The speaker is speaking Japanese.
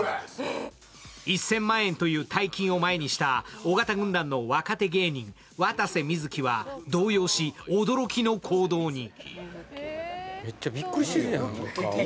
１０００万円という大金を前にした尾形軍団の若手芸人渡瀬瑞基は動揺し、驚きの行動に。